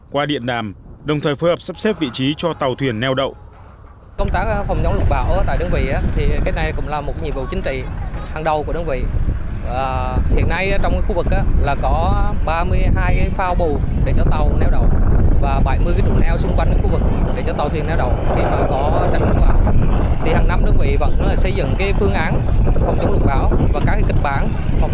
qua điện đáo qua bộ phòng qua bộ phòng qua bộ phòng qua bộ phòng